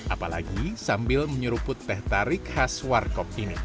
apalagi sambil menyuruput teh tarik khas wargop ini